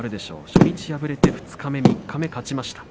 初日敗れて二日目、三日目勝ちました。